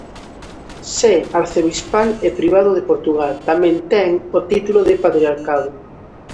Sé arcebispal e primado de Portugal, tamén ten o título de patriarcado.